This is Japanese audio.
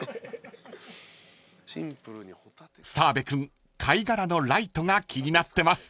［澤部君貝殻のライトが気になってます］